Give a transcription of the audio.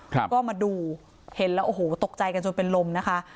ครับก็มาดูเห็นแล้วโอ้โหตกใจกันจนเป็นลมนะคะ